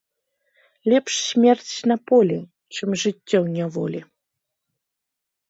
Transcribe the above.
Лепш смерць на полі, чым жыццё ў няволі